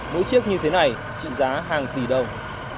mỗi chiếc như thế này trị giá hàng tỷ đồng